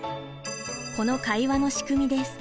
この会話の仕組みです。